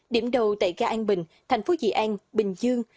điểm đầu tại gà an bình tp di an bình dương